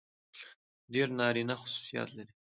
ډېر نارينه خصوصيتونه لري.